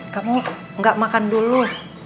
kamu gak makan dulu